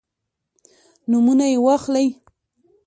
نومونه یې واخلئ.